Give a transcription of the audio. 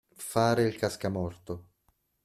Fare il cascamorto.